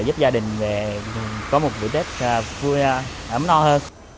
giúp gia đình có một buổi tết vui ấm no hơn